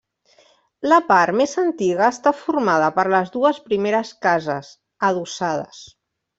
La part més antiga està formada per les dues primeres cases, adossades.